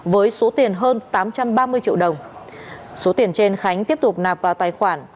với số tiền hơn tám trăm ba mươi triệu đồng số tiền trên khánh tiếp tục nạp vào tài khoản